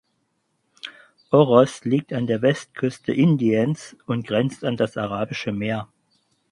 Oros liegt an der Westküste Indiens und grenzt an das Arabische Meer.